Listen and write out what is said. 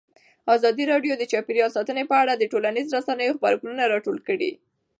ازادي راډیو د چاپیریال ساتنه په اړه د ټولنیزو رسنیو غبرګونونه راټول کړي.